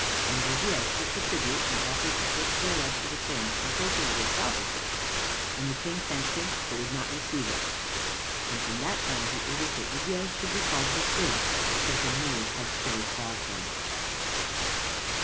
And Ruydiez took the tribute and offered the fifth thereof to the King, in token of his sovereignty; and the King thanked him, but would not receive it; and from that time he ordered that Ruydiez should be called the Cid, because the Moors had so called him.